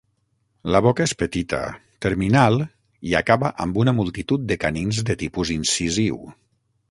La boca és petita, terminal i acaba amb una multitud de canins de tipus incisiu.